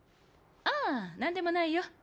ああなんでもないよ。